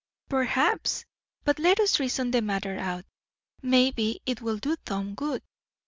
"Perhaps; but let us reason the matter out. Maybe it will do Tom good.